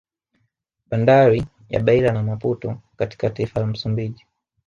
Bandari ya Beila na Maputo katka taifa la Msumbiji